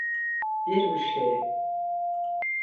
Bir müşteri.